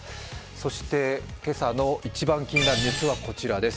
そして今朝の一番気になるニュースはこちらです。